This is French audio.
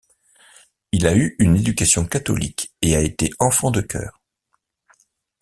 Il a eu une éducation catholique, et a été enfant de chœurs.